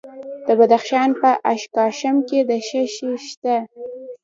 د بدخشان په اشکاشم کې څه شی شته؟